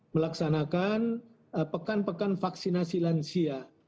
melaksanakan pekan pekan vaksinasi lansia